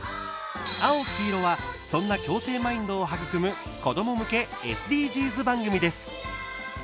「あおきいろ」はそんな共生マインドを育む子ども向けＳＤＧｓ番組です。